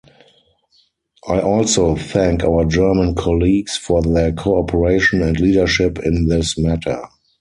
I also thank our German colleagues for their cooperation and leadership in this matter.